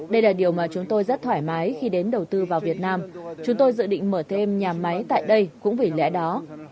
đây là điều mà chúng tôi rất thoải mái khi đến đầu tư vào việt nam chúng tôi dự định mở thêm nhà máy tại đây cũng vì lẽ đó